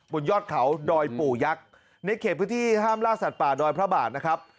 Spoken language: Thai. บนยอดเขาดอยปู่ยักษ์ในเขตพื้นที่ห้ามล่าสัตว์ป่าดอยพระบาทนะครับ